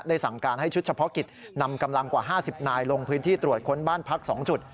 สั่งการให้ชุดเฉพาะกิจนำกำลังกว่า๕๐นายลงพื้นที่ตรวจค้นบ้านพัก๒จุด